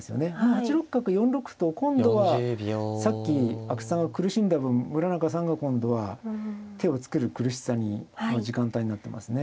８六角４六歩と今度はさっき阿久津さんが苦しんだ分村中さんが今度は手を作る苦しさの時間帯になってますね。